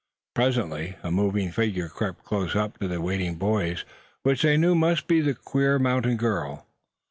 Presently a moving figure crept close up to the waiting boys; which they knew must be the queer mountain girl.